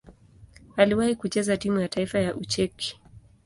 Aliwahi kucheza timu ya taifa ya Ucheki.